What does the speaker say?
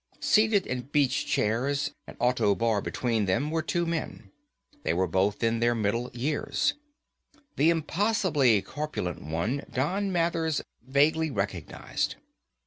Seated in beach chairs, an autobar between them, were two men. They were both in their middle years. The impossibly corpulent one, Don Mathers vaguely recognized.